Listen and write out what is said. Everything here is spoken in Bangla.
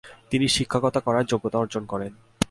তিনি শিক্ষকতা করার যোগ্যতা অর্জন করেন।